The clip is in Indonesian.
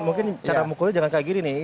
mungkin cara mukulnya jangan kayak gini nih